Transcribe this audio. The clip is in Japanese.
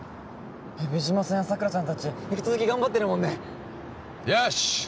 蛇島さんや桜さん達引き続き頑張ってるもんねよーし！